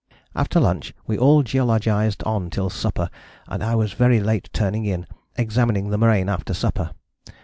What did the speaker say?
After lunch we all geologized on till supper, and I was very late turning in, examining the moraine after supper.